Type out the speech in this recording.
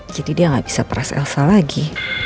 jadi dia gak bisa peras elsa lagi